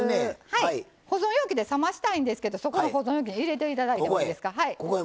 はい保存容器で冷ましたいんですけどそこの保存容器に入れて頂いてもいいですか。ここへ。